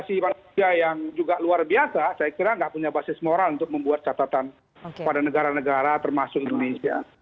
di malaysia yang juga luar biasa saya kira nggak punya basis moral untuk membuat catatan pada negara negara termasuk indonesia